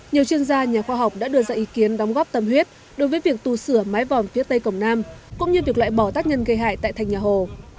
nhiều chuyên gia nhà khoa học đã đưa ra ý kiến đóng góp tâm huyết đối với việc tu sửa mái vòn phía tây cổng nam cũng như việc loại bỏ tác nhân gây hại tại thành nhà hồ